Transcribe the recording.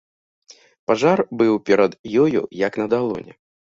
Пажар быў перад ёю як на далоні.